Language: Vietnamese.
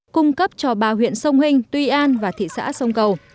cung cấp cho ba huyện sông hình tuy an và thị xã sông cầu